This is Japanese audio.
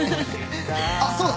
あっそうだ！